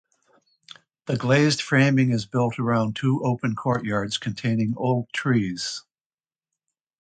The glazed framing is built around two open courtyards containing old trees.